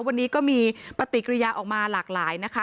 วันนี้ก็มีปฏิกิริยาออกมาหลากหลายนะคะ